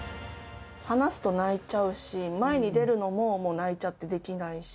話すと泣いちゃうし、前に出るのも、もう泣いちゃってできないし。